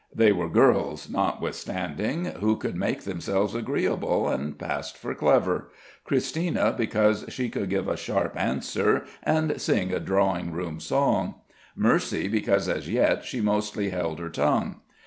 They were girls notwithstanding who could make themselves agreeable, and passed for clever Christina because she could give a sharp answer, and sing a drawingroom song, Mercy because as yet she mostly held her tongue.